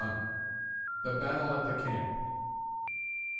THE BATTLE AT THE CAMP.